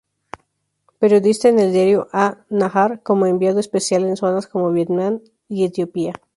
Periodista en el diario "An-Nahar", como enviado especial en zonas como Vietnam y Etiopía.